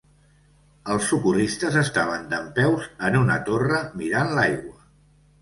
Els socorristes estaven dempeus en una torre mirant l'aigua.